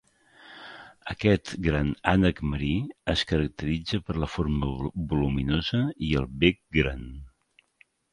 Aquest gran ànec marí es caracteritza per la forma voluminosa i el bec gran.